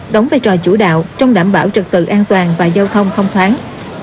đóng vai trò chủ đạo trong đảm bảo trật tự an toàn và giao thông không thoáng